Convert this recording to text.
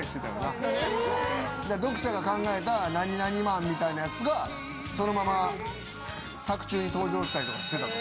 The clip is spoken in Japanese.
読者が考えた何々マンみたいなやつがそのまま作中に登場したりとかしてた。